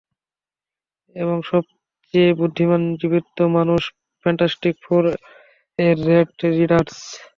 এবং সবচেয়ে বুদ্ধিমান জীবিত মানুষ, ফ্যান্টাস্টিক ফোর এর রেড রিচার্ডস।